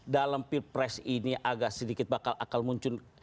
dalam peer press ini agak sedikit bakal muncul